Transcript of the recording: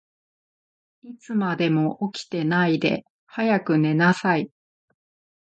いつまでも起きてないで、早く寝なさい。